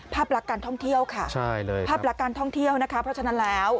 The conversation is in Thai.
ภาพลักษณ์การท่องเที่ยวค่ะใช่เลยภาพลักษณ์การท่องเที่ยวนะคะเพราะฉะนั้นแล้ว